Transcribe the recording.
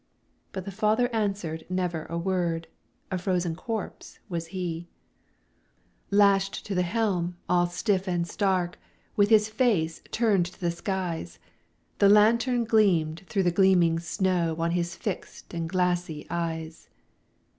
But the father answered never a word, A frozen corpse was he. Lashed to the helm, all stiff and stark, With his face turned to the skies, The lantern gleamed through the gleaming snow On his fixed and glassy eyes.